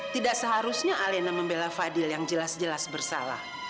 tidak seharusnya alena membela fadil yang jelas jelas bersalah